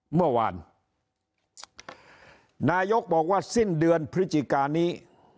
เมื่อวานนายกบอกว่าสิ้นเดือนพฤศจิกานี้